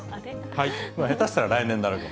下手したら来年になるかも。